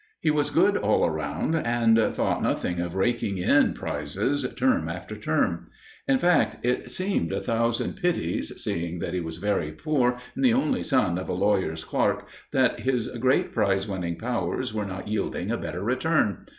He was good all round, and thought nothing of raking in prizes term after term. In fact, it seemed a thousand pities, seeing that he was very poor and the only son of a lawyer's clerk, that his great prize winning powers were not yielding a better return.